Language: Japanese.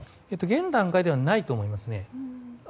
現段階ではないと思います。